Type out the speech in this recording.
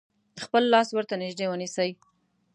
خپل لاس ورته نژدې ونیسئ.